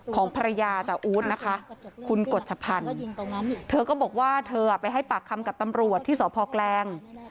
ของภรรยาจ่าอู๊ดนะคะคุณกฎชพันธ์เธอก็บอกว่าเธอไปให้ปากคำกับตำรวจที่สพแกลง